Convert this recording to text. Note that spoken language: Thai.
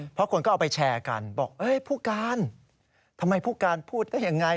เพราะคนก็เอาไปแชร์กันบอกเอ้ยผู้การทำไมผู้การพูดได้ยังไง